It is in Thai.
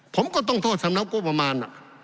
ผมก็ต้องโทษทางน้องประมาณ